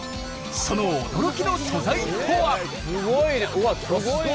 その驚きの素材とは！？